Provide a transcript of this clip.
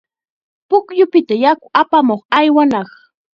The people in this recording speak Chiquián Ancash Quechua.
Pukyupita yaku apamuq aywanaq.